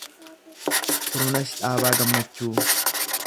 Xurunesh Dhaabaa Gammachuu